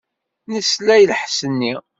Nesla i lḥess-nni.